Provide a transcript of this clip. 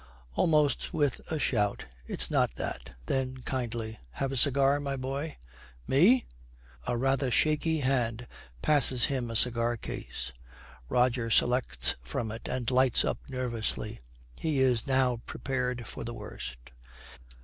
Almost with a shout, 'It's not that.' Then kindly, 'Have a cigar, my boy?' 'Me?' A rather shaky hand, passes him a cigar case. Roger selects from it and lights up nervously. He is now prepared for the worst.